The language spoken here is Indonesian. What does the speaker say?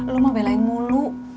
lo mau belain mulu